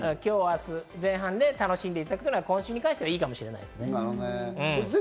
前半で楽しんでいただくというのは、今週に関してはいいかもしれません。